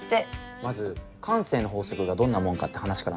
まず慣性の法則がどんなもんかって話からなんだけど。